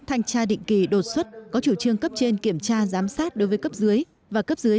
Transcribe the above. thanh tra định kỳ đột xuất có chủ trương cấp trên kiểm tra giám sát đối với cấp dưới và cấp dưới